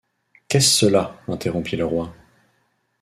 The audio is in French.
Qu’est cela ? interrompit le roi.